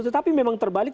tetapi memang terbalik